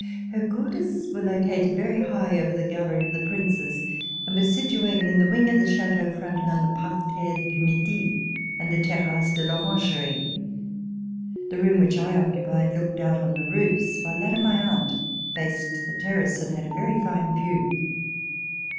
Her quarters C76] FALL OF THE BASTILLE were located very high, over the Gallery of the Princes, and were situated in the wing of the Chateau fronting on the Parterre du Midi and the Terrasse de rOrangerie. The room which I occupied looked out on the roofs, while that of my aunt faced the terrace and had a very fine view.